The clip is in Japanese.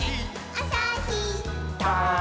あさひっ！」